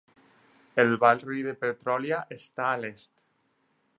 El barri de Petrolia està a l'est.